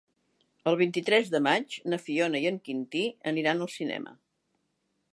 El vint-i-tres de maig na Fiona i en Quintí aniran al cinema.